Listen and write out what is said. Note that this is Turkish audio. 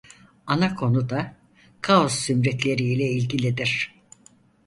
Ana konu da Kaos Zümrütleri ile ilgilidir.